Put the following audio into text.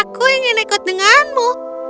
aku ingin ikut denganmu